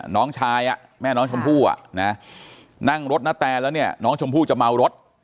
น้องชายแม่น้องชมพู่นั่งรถนาแตนแล้วเนี่ยน้องชมพู่จะเมารถ